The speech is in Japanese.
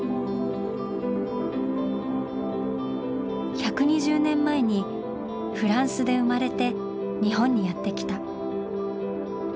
１２０年前にフランスで生まれて日本にやって来た。